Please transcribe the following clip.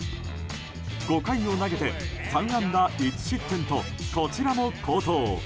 ５回を投げて３安打１失点とこちらも好投。